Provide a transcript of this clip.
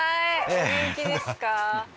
お元気ですか？